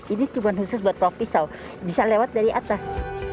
ini cuma khusus buat pulau pisau bisa lewat dari atas